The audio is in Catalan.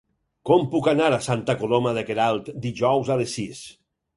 Com puc anar a Santa Coloma de Queralt dijous a les sis?